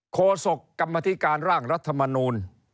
โศกกรรมธิการร่างรัฐมนูล